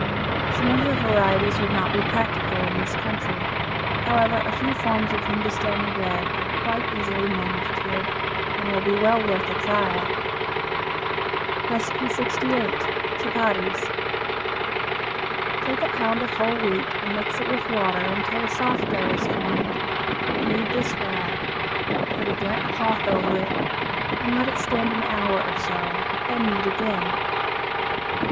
Some of the varieties would not be practical in this country. However, a few forms of Hindustani bread are quite easily managed here, and will well be worth a trial. 68. Chupatties. Take a pound of whole wheat and mix it with water until a soft dough is formed. Knead this well. Put a damp cloth over it, and let it stand an hour or so. Then knead again.